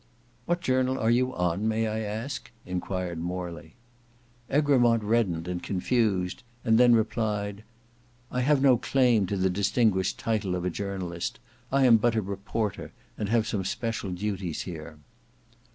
"What journal are you on, may I ask?" enquired Morley. Egremont reddened, was confused, and then replied, "I have no claim to the distinguished title of a journalist. I am but a reporter; and have some special duties here."